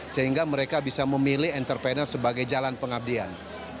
sehingga mereka bisa memilih entrepreneur sebagai jalan pengabdian